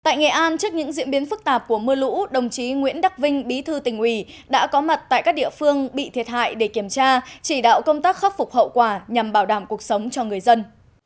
tại nghệ an trước những diễn biến phức tạp của mưa lũ đồng chí nguyễn đắc vinh bí thư tỉnh ủy đã có mặt tại các địa phương bị thiệt hại để kiểm tra chỉ đạo công tác khắc phục hậu quả nhằm bảo đảm cuộc sống cho người dân